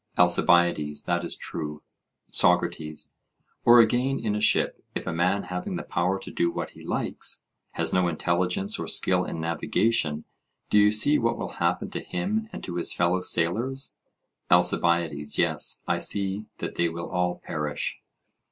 ALCIBIADES: That is true. SOCRATES: Or again, in a ship, if a man having the power to do what he likes, has no intelligence or skill in navigation, do you see what will happen to him and to his fellow sailors? ALCIBIADES: Yes; I see that they will all perish.